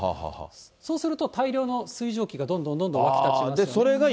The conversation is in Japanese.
そうすると、大量の水蒸気がどんどんどんどんわき立って。